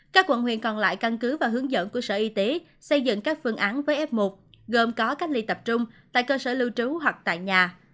các quận huyện còn lại căn cứ và hướng dẫn của sở y tế xây dựng các phương án với f một gồm có cách ly tập trung tại cơ sở lưu trú hoặc tại nhà